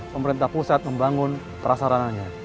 pemerintah pusat membangun prasarananya